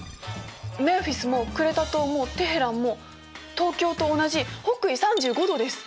メンフィスもクレタ島もテヘランも東京と同じ北緯３５度です。